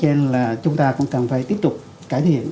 chứ không phải là chúng ta cần phải tiếp tục cải thiện